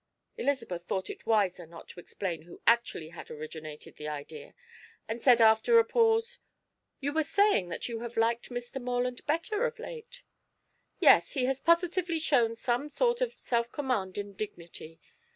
Elizabeth thought it wiser not to explain who actually had originated the idea, and said after a pause: "You were saying that you have liked Mr. Morland better of late?" "Yes, he has positively shown some sort of self command and dignity.